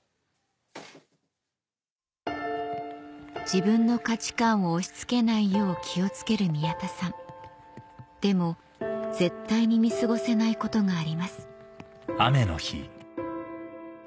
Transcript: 自分の価値観を押し付けないよう気を付ける宮田さんでも絶対に見過ごせないことがあります